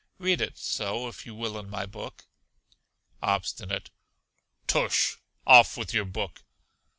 Read it so, if you will, in my book. Obstinate. Tush! Off with your book.